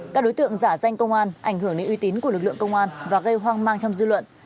các đối tượng giả danh công an ảnh hưởng đến uy tín của lực lượng công an và gây hoang mang trong dư luận